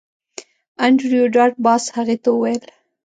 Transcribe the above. انډریو ډاټ باس هغې ته وویل